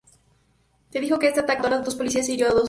Se dijo que este ataque mató a dos policías e hirió a otros seis.